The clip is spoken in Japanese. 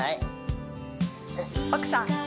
奥さん？